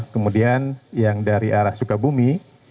kemudian yang dari arah sukabumi